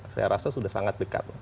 saya rasa sudah sangat dekat